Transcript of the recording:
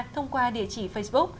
thông qua địa chỉ facebook